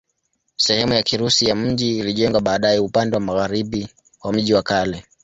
Sehemu ya Kirusi ya mji ilijengwa baadaye upande wa magharibi wa mji wa kale.